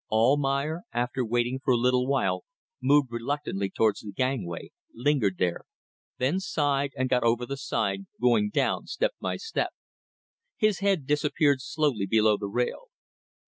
Almayer, after waiting for a little while, moved reluctantly towards the gangway, lingered there, then sighed and got over the side, going down step by step. His head disappeared slowly below the rail.